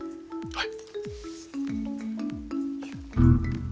はい。